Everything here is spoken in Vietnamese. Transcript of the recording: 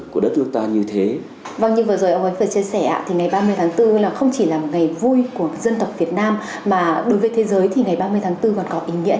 của biết bao thế hệ đi trước